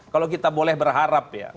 kalau kita boleh berharap ya